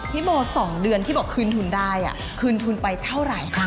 พี่โบ๒เดือนที่บอกคืนทุนได้คืนทุนไปเท่าไหร่คะ